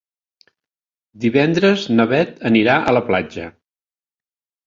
Divendres na Bet anirà a la platja.